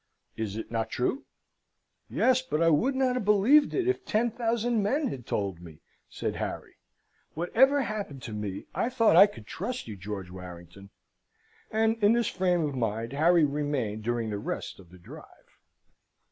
Is it not true?" "Yes, but I would not have believed it, if ten thousand men had told me," said Harry. "Whatever happened to me, I thought I could trust you, George Warrington." And in this frame of mind Harry remained during the rest of the drive.